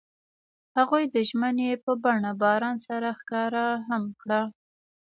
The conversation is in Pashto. هغوی د ژمنې په بڼه باران سره ښکاره هم کړه.